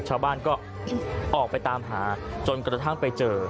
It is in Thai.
ชาวบ้านก็ออกไปตามหาจนกระทั่งไปเจอ